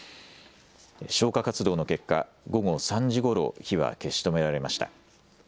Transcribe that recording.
消火活動の結果、午後３時ごろ火は消し止められました。